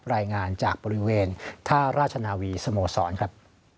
รายงานจากบริเวณท่าราชนาวีสโมสรครับ